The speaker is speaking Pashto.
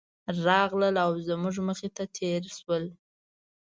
راغلل او زموږ مخې ته تېر شول.